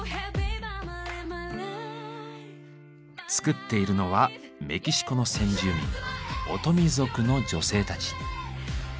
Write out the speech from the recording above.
作っているのはメキシコの先住民オトミ族の女性たち。